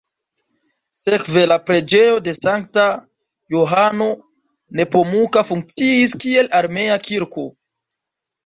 Sekve la preĝejo de sankta Johano Nepomuka funkciis kiel armea kirko.